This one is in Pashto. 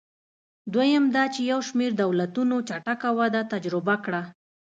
دویم دا چې یو شمېر دولتونو چټکه وده تجربه کړه.